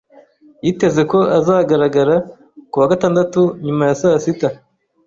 Yiteze ko azagaragara ku wa gatandatu nyuma ya saa sita.